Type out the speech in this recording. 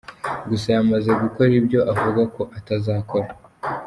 Gusa yamaze gukora ibyo avuga ko atazakora!